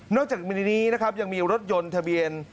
จากในนี้นะครับยังมีรถยนต์ทะเบียน